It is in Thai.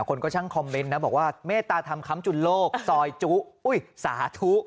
คนก็ช่างคอมเมนต์นะบอกว่าเมตตาธรรมคำจุนโลกซอยจุอุ้ยสาธุ